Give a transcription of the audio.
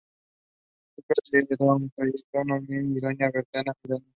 Hija de don Cayetano Allende y doña Berta Miranda.